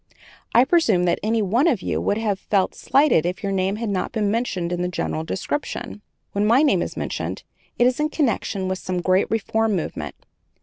I presume that any one of you would have felt slighted if your name had not been mentioned in the general description. When my name is mentioned, it is in connection with some great reform movement.